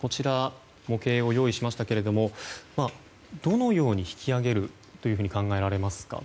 模型を用意しましたけどどのように引き上げるというふうに考えられますか？